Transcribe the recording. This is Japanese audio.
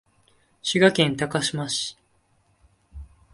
滋賀県高島市